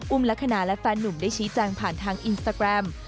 ลักษณะและแฟนหนุ่มได้ชี้แจงผ่านทางอินสตาแกรม